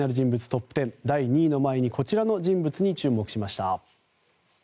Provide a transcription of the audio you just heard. トップ１０第２位の前にこちらの人物に注目しました。